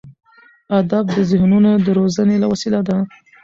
ادب د ذهنونو د روزنې وسیله ده.